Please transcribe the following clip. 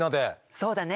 そうだね。